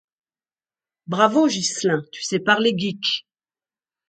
Bravo, Ghislain, tu sais parler geek.